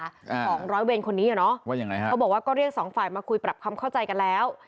ของร้อยเวรคนนี้อ่ะเนอะว่ายังไงฮะเขาบอกว่าก็เรียกสองฝ่ายมาคุยปรับความเข้าใจกันแล้ว